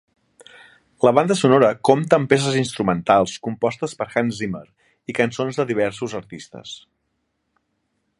La banda sonora compta amb peces instrumentals compostes per Hans Zimmer i cançons de diversos artistes.